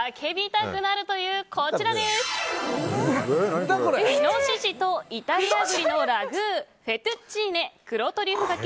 イノシシとイタリア栗のラグーフェトゥッチーネ黒トリュフがけ